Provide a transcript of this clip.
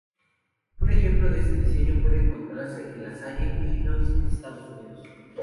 Un ejemplo de este diseño puede encontrarse en La Salle, Illinois, Estados Unidos.